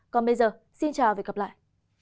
còn bây giờ xin chào và hẹn gặp lại